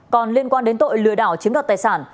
còn liên quan đến tội lừa đảo chiếm đoạt tài sản